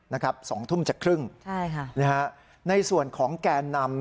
นะครับ๒ทุ่มจากครึ่งนะครับในส่วนของแก๊สน้ำ